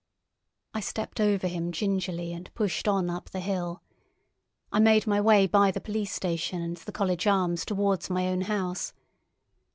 I stepped over him gingerly and pushed on up the hill. I made my way by the police station and the College Arms towards my own house.